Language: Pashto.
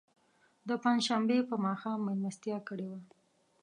د پنج شنبې په ماښام میلمستیا کړې وه.